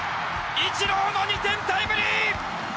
イチローの２点タイムリー！